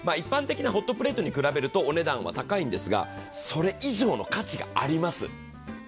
一般的なホットプレートに比べると高いんですが、それ以上の価値があります。